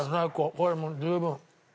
これもう十分。